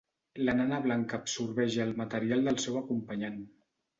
La nana blanca absorbeix el material del seu acompanyant.